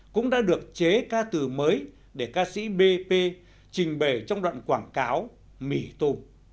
cũng đã được chế ca từ mới để ca sĩ bp trình bề trong đoạn quảng cáo mỹ tù